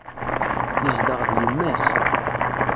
Yezdeɣ d yemma-s.